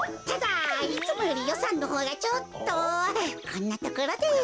ただいつもよりよさんのほうがちょっとこんなところで。